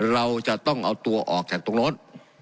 เราจะต้องเอาตัวออกจากตรงโน้น